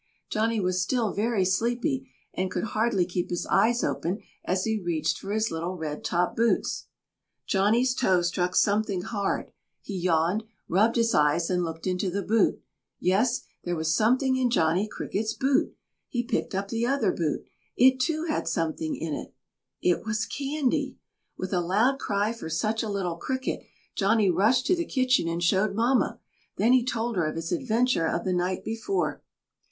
Johnny was still very sleepy and could hardly keep his eyes open as he reached for his little red topped boots. Johnny's toe struck something hard, he yawned, rubbed his eyes and looked into the boot. Yes, there was something in Johnny Cricket's boot! He picked up the other boot; it, too, had something in it! It was candy! With a loud cry for such a little Cricket, Johnny rushed to the kitchen and showed Mamma, then he told her of his adventure of the night before.